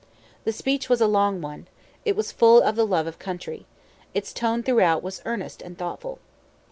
The speech was a long one. It was full of the love of country. Its tone throughout was earnest and thoughtful.